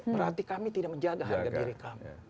berarti kami tidak menjaga harga diri kami